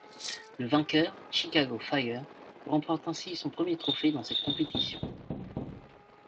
Le vainqueur, Chicago Fire, remporte ainsi son premier trophée dans cette compétition.